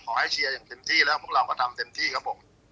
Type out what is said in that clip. เชียร์อย่างเต็มที่แล้วพวกเราก็ทำเต็มที่ครับผม